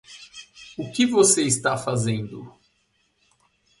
O que você tá fazendo?